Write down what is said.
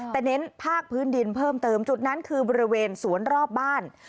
แต่เน้นภาคพื้นดินเพิ่มเติมจุดนั้นคือบริเวณสวนรอบบ้าน